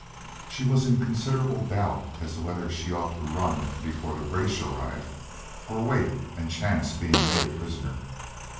She was in considerable doubt as to whether she ought to run before the British arrived, or wait and chance being made a prisoner.